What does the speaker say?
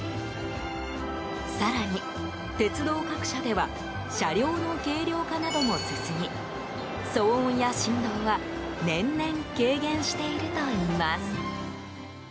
更に、鉄道各社では車両の軽量化なども進み騒音や振動は年々、軽減しているといいます。